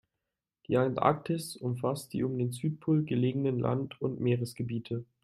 Die Antarktis umfasst die um den Südpol gelegenen Land- und Meeresgebiete.